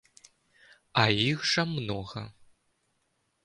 А іх жа многа.